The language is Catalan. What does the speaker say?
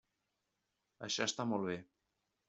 Això està molt bé.